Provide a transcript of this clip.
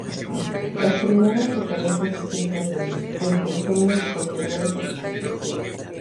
Las primeras referencias escritas del puente son muy posteriores a su construcción.